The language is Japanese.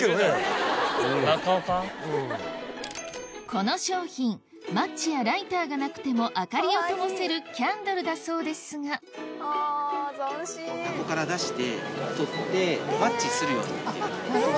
この商品マッチやライターがなくても明かりをともせるキャンドルだそうですが箱から出して取って。